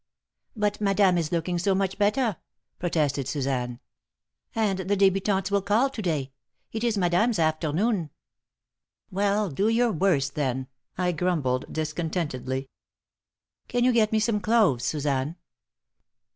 "But Madame is looking so much better!" protested Suzanne. "And the débutantes will call to day. It is madame's afternoon." "Well, do your worst, then," I grumbled, discontentedly. "Can you get me some cloves, Suzanne?"